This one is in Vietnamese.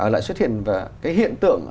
lại xuất hiện và cái hiện tượng